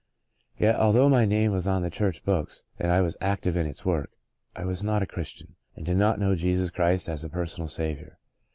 Yet, al though my name was on the church books and I was active in its work, I was not a Christian and did not know Jesus Christ as a personal Saviour.